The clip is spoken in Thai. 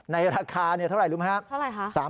ในราคานี้เท่าไหร่รู้ไหมครับ